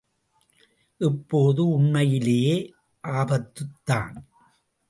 இப்போது உண்மையிலே ஆபத்துத்தான்!